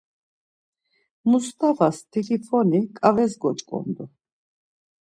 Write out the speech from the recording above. Mustavas t̆ilifoni ǩaves goç̌ǩondu.